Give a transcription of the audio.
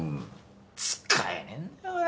使えねえんだよこれ！